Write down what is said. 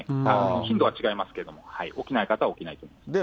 頻度は違いますけれども、起きない方は起きないと思います。